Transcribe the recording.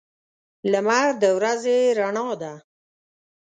لمر د ورځې رڼا ده.